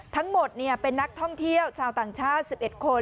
ทั้งหมดเป็นนักท่องเที่ยวชาวต่างชาติ๑๑คน